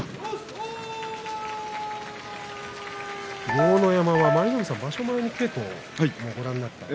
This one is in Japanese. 豪ノ山は舞の海さんは場所前に稽古をご覧になったと。